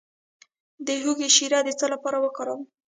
د هوږې شیره د څه لپاره وکاروم؟